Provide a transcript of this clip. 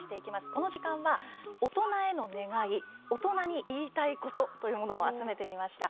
この時間は、大人への願い大人に言いたいことっていうものを集めてみました。